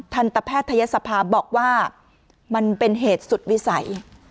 ทันตะแพทย์ทะเย็ดสภาบอกว่ามันเป็นเหตุสุดวิสัย